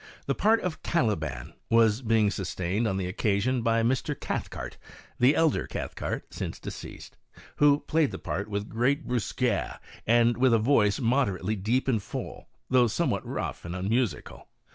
The part of Caliban was being sustained on the occasion by Mr. Cathcart (the elder Cathcart, since de ceased), who played the part with great brusquere and with a voice moderately deep and full, though somewhat rough and un musical.